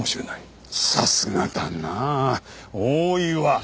さすがだなあ大岩。